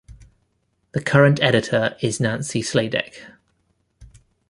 The current editor is Nancy Sladek.